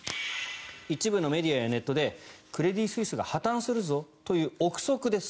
一部のメディアやネットでクレディ・スイスが破たんするぞという臆測です。